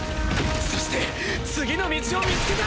そして次の道を見つけた！